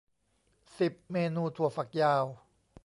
สิบ เมนูถั่วฝักยาว